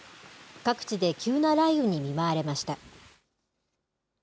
各地で急な雷雨に見舞われました。